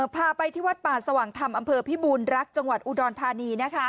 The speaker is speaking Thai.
พาไปที่วัดป่าสว่างธรรมอำเภอพิบูรณรักจังหวัดอุดรธานี